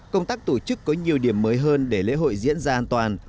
công tác tổ chức có nhiều điểm mới hơn để lễ hội diễn ra an toàn